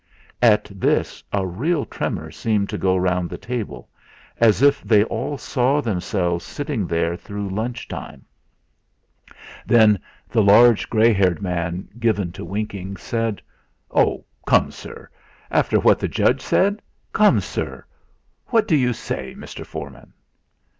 At this a real tremor seemed to go round the table, as if they all saw themselves sitting there through lunch time. Then the large grey haired man given to winking, said: "Oh! Come, sir after what the judge said! Come, sir! What do you say, Mr. Foreman?"